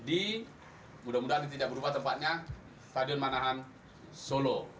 di mudah mudahan tidak berubah tempatnya stadion manahan solo